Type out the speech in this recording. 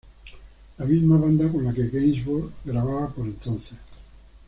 La misma banda con la que Gainsbourg grababa por entonces.